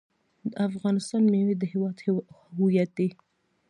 د افغانستان میوې د هیواد هویت دی.